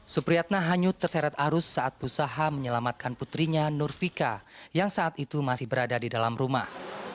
supriyatna hanyut terseret arus saat berusaha menyelamatkan putrinya nurvika yang saat itu masih berada di dalam rumah